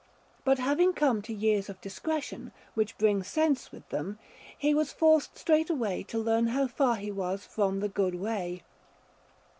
But having come to years of discretion, which bring sense with them, he was forced straightway to learn how far he was from the good way.